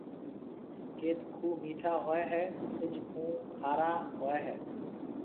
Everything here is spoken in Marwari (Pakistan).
ڪيٿ کوھ ميٺا ھوئيَ ھيََََ ڪجھ کوھ کارا ھوئيَ ھيََََ